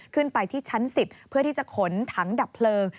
ขึ้นไปที่ชั้น๑๐เพื่อที่จะขนถังดับเพลิง